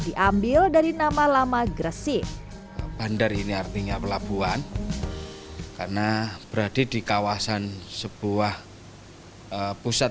diambil dari nama nama gresik bandar ini artinya pelabuhan karena berada di kawasan sebuah pusat